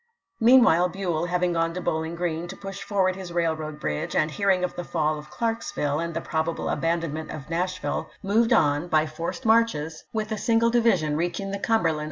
Meanwhile Buell, having gone to Bowling Green to push forward his railroad bridge, and hearing of the fall of Clarksville and the probable abandon ment of Nashville, moved on by forced marches THE SHILOH CAMPAIGN 311 with a single division, reaching the Cumberland ch.